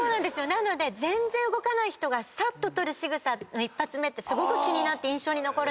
なので全然動かない人がさっと取る仕草の１発目ってすごく気になって印象に残る。